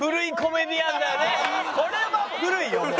これは古いよね。